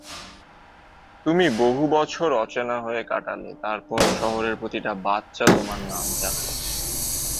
তুমি বহুবছর অচেনা হয়ে কাটালে, তারপর শহরের প্রতিটা বাচ্চা তোমার নাম জানলো।